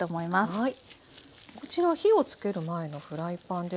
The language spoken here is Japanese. はい。